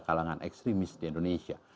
kalangan ekstremis di indonesia